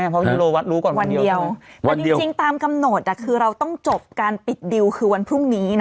เพราะว่าวิทยุโรวัตรรู้ก่อนวันเดียวใช่ไหมวันเดียวแต่จริงจริงตามกำหนดอ่ะคือเราต้องจบการปิดดิวคือวันพรุ่งนี้น่ะ